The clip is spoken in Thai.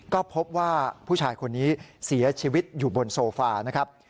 ก็พบว่าผู้ชายคนนี้เสียชีวิตอยู่บนโซฟานะครับ